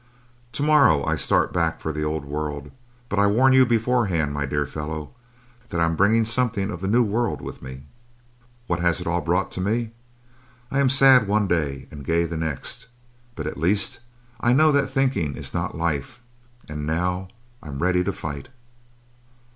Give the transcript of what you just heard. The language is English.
To morrow I start back for the old world but I warn you beforehand, my dear fellow, that I'm bringing something of the new world with me. "What has it all brought to me? I am sad one day and gay the next. But at least I know that thinking is not life and now I'm ready to fight.